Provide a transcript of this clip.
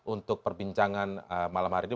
untuk perbincangan malam hari ini